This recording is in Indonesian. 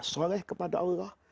sholay kepada allah